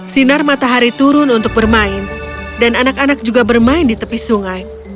sinar matahari turun untuk bermain dan anak anak juga bermain di tepi sungai